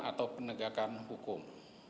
atau penegakan hukum